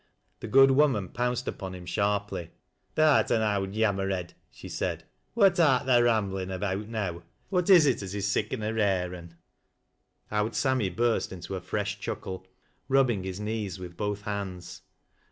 The good woman pounced up on him sharply. "Tha'rt an owd yommer head," she said. "What art tha ramblin' about now ? Who is it as is siccan a rai'e an?" Owd Sammy burst into a fresh chuckle, rubbing hie knees with both hands.